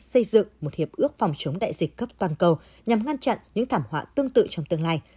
xây dựng một hiệp ước phòng chống đại dịch cấp toàn cầu nhằm ngăn chặn những thảm họa tương tự trong tương lai